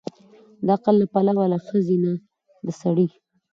د عقل له پلوه له ښځې نه د سړي